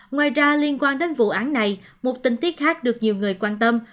ngoài ra liên quan đến vụ án này một tình tiết khác được nhiều người quan tâm